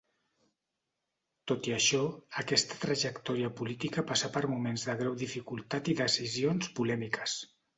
Tot i això, aquesta trajectòria política passà per moments de greu dificultat i decisions polèmiques.